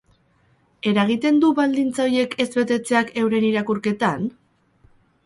Eragiten du baldintza horiek ez betetzeak euren irakurketan?